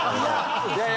いや！